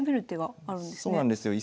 そうなんですよ。